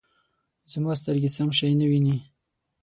زما سترګې سم شی نه وینې